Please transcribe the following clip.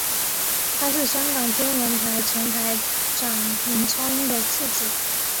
他是香港天文台前台长林超英的次子。